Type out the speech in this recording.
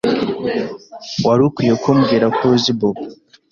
Wari ukwiye kumbwira ko uzi Bobo.